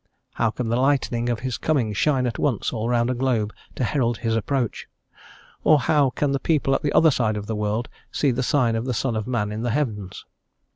How can the lightning of His coming shine at once all round a globe to herald His approach, or how can the people at the other side of the world see the sign of the Son of Man in the heavens?